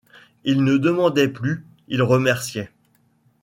Ils ne demandaient plus, ils remerciaient.